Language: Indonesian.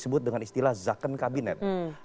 disebut dengan istilah zakon kabinet